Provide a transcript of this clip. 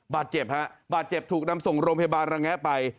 บาดเจ็บฮะบาดเจ็บถูกนำส่งโรงพยาบาลระแงะไป